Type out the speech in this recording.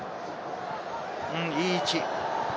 いい位置。